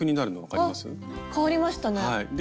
変わりましたね。